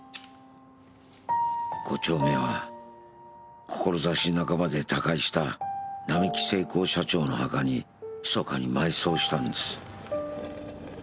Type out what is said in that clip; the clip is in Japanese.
５丁目は志半ばで他界した並木精工社長の墓にひそかに埋葬したんです。